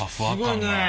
すごいね！